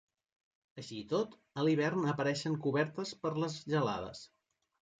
Així i tot, a l'hivern apareixen cobertes per les gelades.